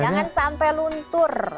jangan sampai luntur